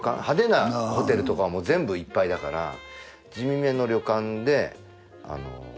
派手なホテルとかは全部いっぱいだから地味めの旅館で。